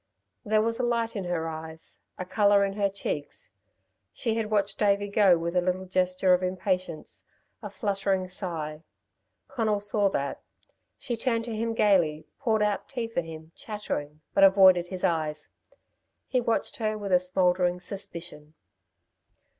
There was a light in her eyes, a colour in her cheeks. She had watched Davey go with a little gesture of impatience, a fluttering sigh. Conal saw that. She turned to him gaily, poured out tea for him, chattering, but avoided his eyes. He watched her with a smouldering suspicion.